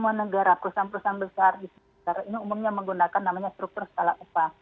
semua negara perusahaan perusahaan besar di sekitar ini umumnya menggunakan namanya struktur skala upah